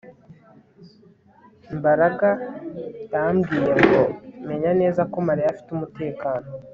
Mbaraga yambwiye ngo menye neza ko Mariya afite umutekano